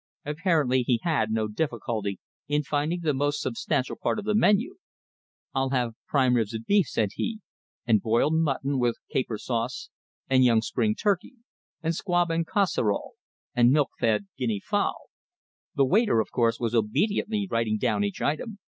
Apparently he had no difficulty in finding the most substantial part of the menu. "I'll have prime ribs of beef," said he; "and boiled mutton with caper sauce; and young spring turkey; and squab en casserole; and milk fed guinea fowl " The waiter, of course, was obediently writing down each item.